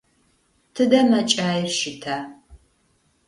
Тыдэ мэкӏаир щыта?